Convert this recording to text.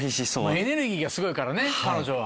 エネルギーがすごいからね彼女は。